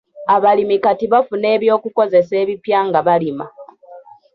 Abalimi kati bafuna eby'okukozesa ebipya nga balima.